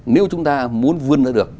nếu chúng ta muốn vươn ra được